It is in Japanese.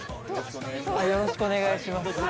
よろしくお願いします